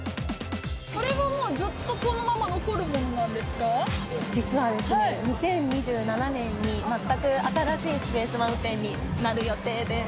これはずっとこのまま残るも実はですね、２０２７年に、全く新しいスペース・マウンテンになる予定です。